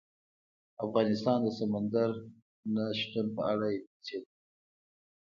افغانستان د سمندر نه شتون په اړه علمي څېړنې لري.